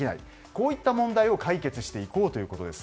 こういった問題を解決していこうということです。